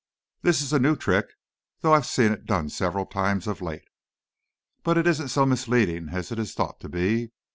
This is a new trick, though I've seen it done several times of late. But it isn't so misleading as it is thought to be.